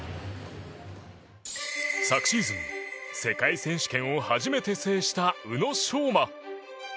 昨シーズン世界選手権を初めて制した宇野昌磨。